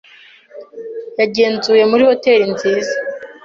Yagenzuye muri hoteri nziza.